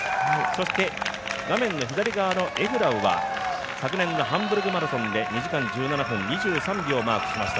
そして画面の左側のエフラウは昨年のハンブルクマラソンで２時間１７分２３秒をマークしました。